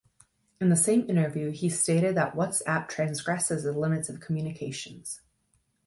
In the same interview he stated that WhatsApp "transgresses the limits of communications".